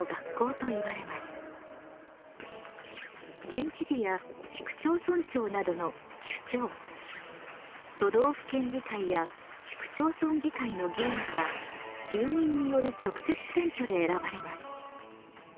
県知事や市区町村長などの首長都道府県議会や市区町村議会の議員は住民による直接選挙で選ばれます。